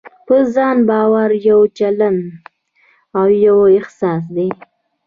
په ځان باور يو چلند او يو احساس دی.